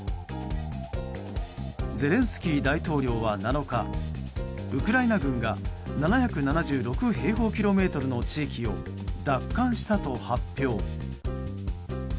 ゼレンスキー大統領は７日ウクライナ軍が７７６平方キロメートルの地域を奪還したと発表。